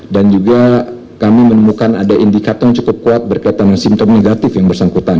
dan juga kami menemukan ada indikasi yang cukup kuat berkaitan dengan simptom negatif yang bersangkutan